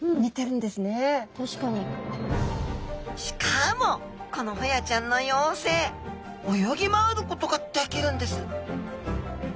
しかもこのホヤちゃんの幼生泳ぎ回ることができるんです